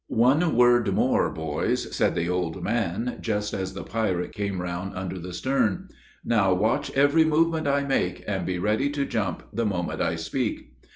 "One word more, boys," said the old man, just as the pirate came round under the stern. "Now watch every movement I make, and be ready to jump the moment I speak."